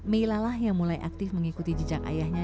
melalah yang mulai aktif mengikuti jejak ayahnya